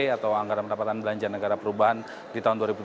atau anggaran pendapatan belanja negara perubahan di tahun dua ribu dua puluh